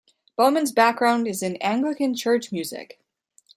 Bowman's background is in Anglican church music.